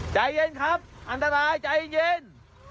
ใจเย็นครับอันตรายใจเย็น